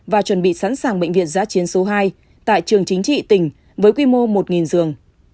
và chuẩn bị sẵn sàng bệnh viện giã chiến số hai tại trường chính trị tỉnh với quy mô một giường